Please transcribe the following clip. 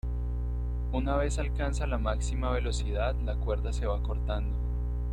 Una vez alcanzada la máxima velocidad la cuerda se va acortando.